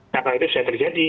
nah kalau itu sudah terjadi